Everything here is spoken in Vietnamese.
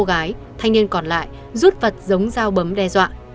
cô gái thanh niên còn lại rút vật giống dao bấm đe dọa